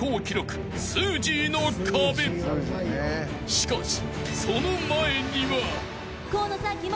［しかし］